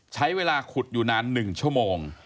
ใช้เวลาขุดอยู่นาน๑ชั่วโมง